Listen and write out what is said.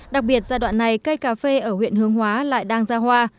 đặc biệt giai đoạn này cây cà phê ở huyện hương hóa lại đang ra hoa